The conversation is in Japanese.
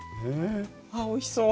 あおいしそう。